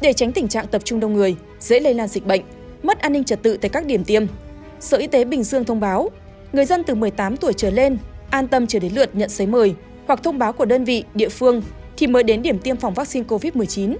để tránh tình trạng tập trung đông người dễ lây lan dịch bệnh mất an ninh trật tự tại các điểm tiêm sở y tế bình dương thông báo người dân từ một mươi tám tuổi trở lên an tâm chờ đến lượt nhận giấy mời hoặc thông báo của đơn vị địa phương thì mới đến điểm tiêm phòng vaccine covid một mươi chín